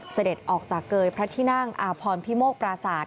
เสด็จออกจากเกยพระที่นั่งอาพรพิโมกปราศาสต